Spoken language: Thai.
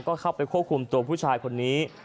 ก็เข้าไปควบคุมตัวผู้ชายคนนี้